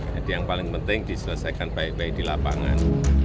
jadi yang paling penting diselesaikan baik baik di lapangan